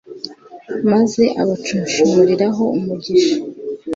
maze abacunshumuriraho umugisha